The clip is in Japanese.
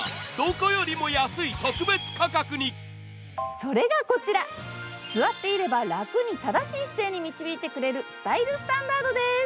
それがこちら、座っていれば楽に正しい姿勢に導いてくれるスタイルスタンダードです。